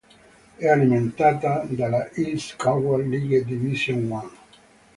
È alimentata dalla East Cornwall League Division One.